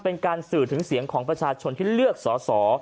เป็นการสื่อถึงเสียงของประชาชนที่เลือกสอสอ